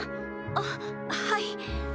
あっはい。